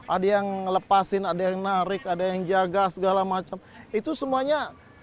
ada yang ngelepasin ada yang narik ada yang jaga segala macam itu semuanya